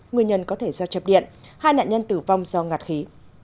nguyên nhân có thể do chập điện hai nạn nhân tử vong do ngạt khí